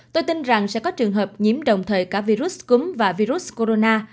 tôi tin rằng sẽ có trường hợp nhiễm đồng thời cả virus cúm và virus corona